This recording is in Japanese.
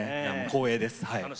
光栄です。